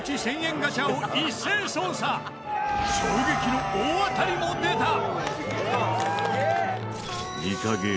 衝撃の大当たりも出た！